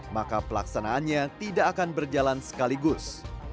maka pelaksanaannya tidak akan berjalan sekaligus